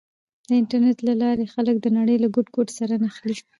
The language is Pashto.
د انټرنېټ له لارې خلک د نړۍ له ګوټ ګوټ سره نښلي.